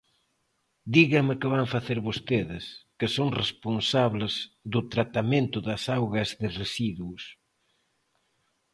Dígame que van facer vostedes, que son responsables do tratamento das augas de residuos.